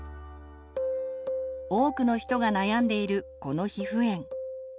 多くの人が悩んでいるこの皮膚炎。